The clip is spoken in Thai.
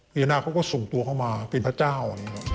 พระยานาคเขาก็ส่งตัวเขามาเป็นพระเจ้า